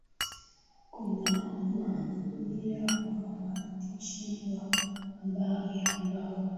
kuna mamia wa waandishi wa habari ambao